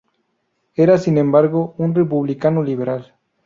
Era, sin embargo, un republicano liberal.